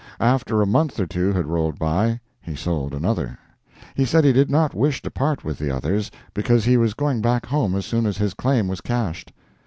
After a month or two had rolled by he sold another. He said he did not wish to part with the others, because he was going back home as soon as his claim was cashed.